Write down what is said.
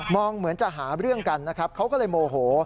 เหมือนจะหาเรื่องกันนะครับเขาก็เลยโมโห